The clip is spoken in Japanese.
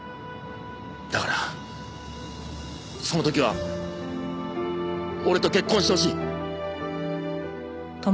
だからその時は俺と結婚してほしい。